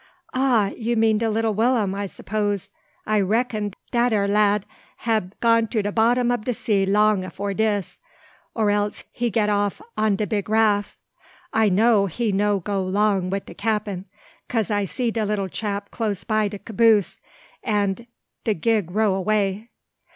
"Ah! you mean de little Will'm, I 'pose. I reck'n dat 'ere lad hab gone to de bott'm ob de sea long afore dis, or else he get off on de big raff. I know he no go 'long wi' de cappen, 'case I see de little chap close by de caboose after de gig row 'way.